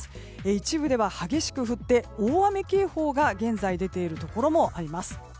一部では激しく降って大雨警報が現在出ているところもあります。